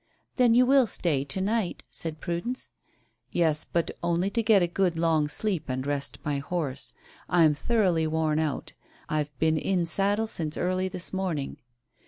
"Then you will stay to night," said Prudence. "Yes; but only to get a good long sleep and rest my horse. I'm thoroughly worn out. I've been in saddle since early this morning."